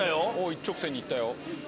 一直線に行ったよ。